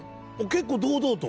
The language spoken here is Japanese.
結構堂々と？